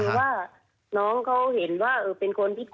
น้องสาวเองก็ไม่รู้เรื่องว่าเป็นเรื่องแบบนี้ค่ะ